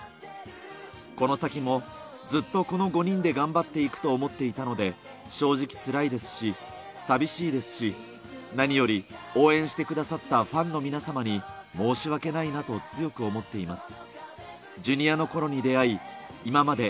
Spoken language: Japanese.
この先も、ずっとこの５人で頑張っていくと思っていたので、正直つらいですし、寂しいですし、何より応援してくださったファンの皆様に申し訳ないなと強く思っています。